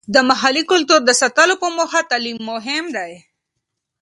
د محلي کلتور د ساتلو په موخه تعلیم مهم دی.